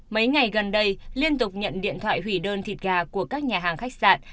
mấy ngày gần đây liên tục nhận điện thoại hủy đơn thịt gà của các nhà hàng khách sạn